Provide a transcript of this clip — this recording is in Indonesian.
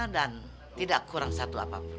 dan tidak kurang satu apapun